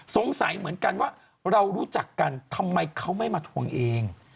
สงสัยเหมือนกันว่าเรารู้จักกันทำไมเขาไม่มาทวงเอง